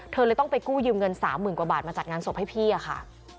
เธอเลยต้องไปกู้ยืมเงิน๓๐๐๐กว่าบาทมาจัดงานศพให้พี่อะค่ะ